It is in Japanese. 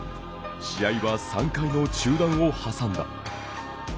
試合は３回の中断を挟んだ。